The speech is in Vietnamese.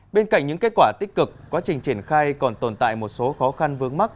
bên cạnh những kết quả tích cực quá trình triển khai còn tồn tại một số khó khăn vướng mắt